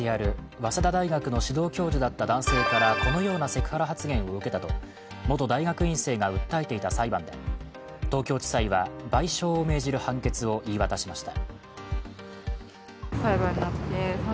早稲田大学の指導教授だった男性からこのようなセクハラ発言を受けたなどと大学院生が訴えていた裁判で東京地裁は賠償を命じる判決を言い渡しました。